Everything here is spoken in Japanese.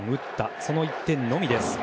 その１点のみです。